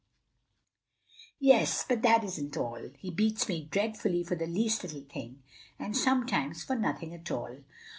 "Yes, but that isn't all; he beats me dreadfully for the least little thing, and sometimes for nothing at all.